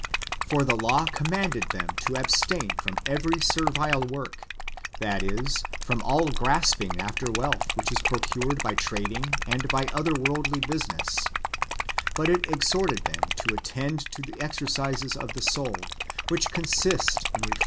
For the law commanded them to abstain from every servile w^ork, that is, from all grasping after wealth which is procured by trading and by other worldly business ; but it exhorted them to attend to the exercises of the soul, which consist in reflection, and to 1 Matt.